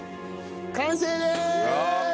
完成です！